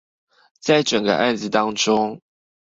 在整個案子當中